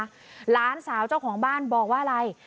หลานสาวเจ้าของบ้านบอกว่าอะไร